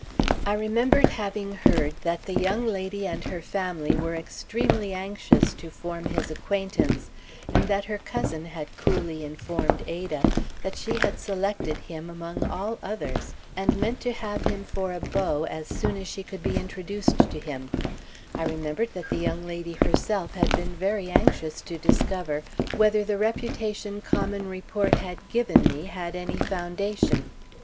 I remembered having heard that the young lady and her family were extremely anxious to form his acquaintance, and that her cousin had coolly informed Ada that she had selected him among all others, and meant to have him for a "beau" as soon as she could be introduced to him; I remembered that the young lady herself had been very anxious to discover whether the reputation common report had given me had any foundation.